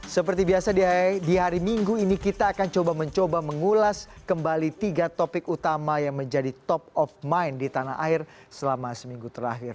seperti biasa di hari minggu ini kita akan coba mencoba mengulas kembali tiga topik utama yang menjadi top of mind di tanah air selama seminggu terakhir